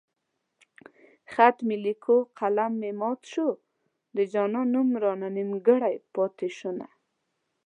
خط مې ليکو قلم مې مات شو د جانان نوم رانه نيمګړی پاتې شونه